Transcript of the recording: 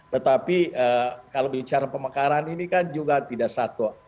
tetapi kalau bicara pemekaran ini kan juga tidak satu